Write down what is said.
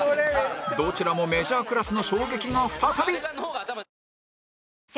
どちらもメジャークラスの衝撃が再び